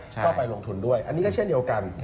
ก็ไปลงทุนด้วยอันนี้ก็เช่นเดียวกัน